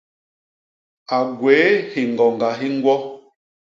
A gwéé hiñgoñga hi ñgwo.